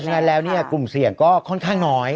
เพราะฉะนั้นแล้วเนี่ยกลุ่มเสี่ยงก็ค่อนข้างน้อย